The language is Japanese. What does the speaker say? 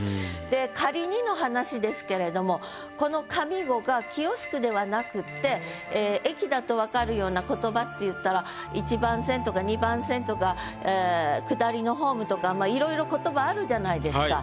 で仮にの話ですけれどもこの上五がキオスクではなくって駅だとわかるような言葉っていったら一番線とか二番線とかええ下りのホームとかまあ色々言葉あるじゃないですか。